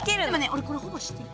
オレこれほぼ知ってる。